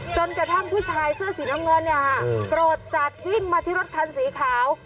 จนกระทั่งผู้ชายเสื้อสีน้ำเงินเนี่ยค่ะโกรธจัดวิ่งมาที่รถคันสีขาว